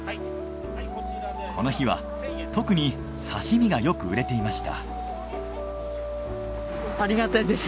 この日は特に刺身がよく売れていました。